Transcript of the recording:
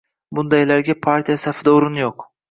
— Bundaylarga partiya safida o‘rin yo‘q!